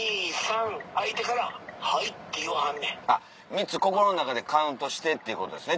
３つ心の中でカウントしてっていうことですね。